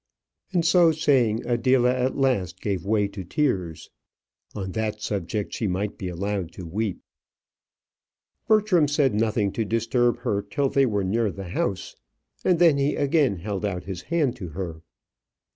And, so saying, Adela at last gave way to tears. On that subject she might be allowed to weep. Bertram said nothing to disturb her till they were near the house, and then he again held out his hand to her.